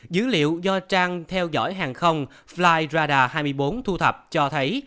dữ liệu do trang theo dõi hàng không flyradar hai mươi bốn thu thập cho thấy